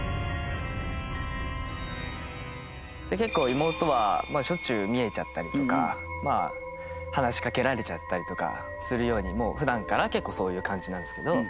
結構妹はしょっちゅう見えちゃったりとかまあ話しかけられちゃったりとかするようにもう普段から結構そういう感じなんですけど。